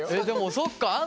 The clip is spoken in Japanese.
でもそっか。